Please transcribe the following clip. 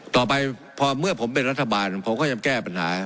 ต่อไปพอเมื่อผมเป็นรัฐบาลผมก็ยังแก้ปัญหา